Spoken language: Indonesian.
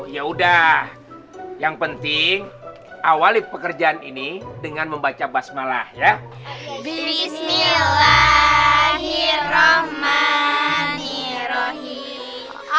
ya udah yang penting awali pekerjaan ini dengan membaca basmalah